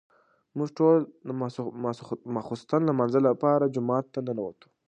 موږ ټول د ماسخوتن د لمانځه لپاره جومات ته ننوتو.